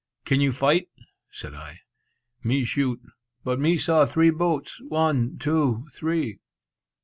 "Can you fight?" said I. "Me shoot; but me saw three boats; one, two, three!"